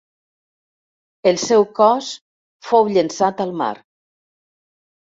El seu cos fou llençat al mar.